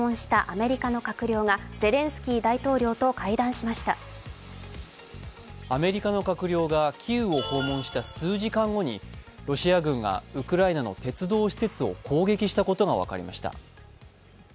アメリカの閣僚がキーウを訪問した数時間後にロシア軍がウクライナの鉄道施設を攻撃したことが分かりました。